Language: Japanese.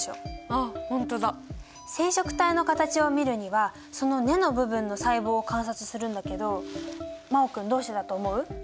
染色体の形を見るにはその根の部分の細胞を観察するんだけど真旺君どうしてだと思う？